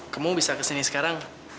kamu bisa kesini sekarang